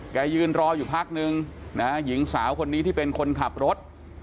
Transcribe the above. ยืนรออยู่พักนึงนะฮะหญิงสาวคนนี้ที่เป็นคนขับรถ